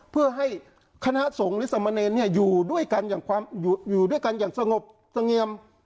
เพื่อให้คณะสงฆ์ลิสมเนนเนี่ยอยู่ด้วยกันอย่างความอยู่อยู่ด้วยกันอย่างสงบสงเงียม